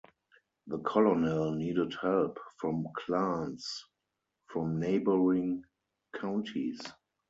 The colonel needed help from clans from neighboring counties.